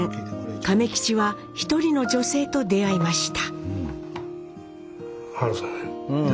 亀吉は一人の女性と出会いました。